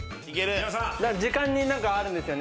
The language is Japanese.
時間に何かあるんですよね。